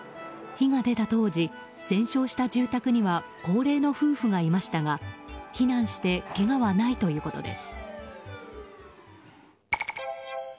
火が出た当時、全焼した住宅には高齢の夫婦がいましたが避難してけがはないということです。